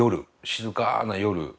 静かな夜。